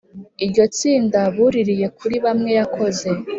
iryo tsinda buririye kuri bamwe yakoze